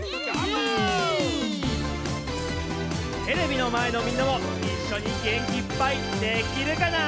テレビのまえのみんなもいっしょにげんきいっぱいできるかな？